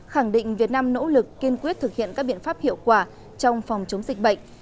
khẳng định việt nam nỗ lực kiên quyết thực hiện các biện pháp hiệu quả trong phòng chống dịch bệnh